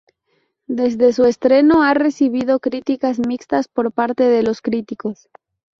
Desde su estreno, ha recibido críticas mixtas por parte de los críticos.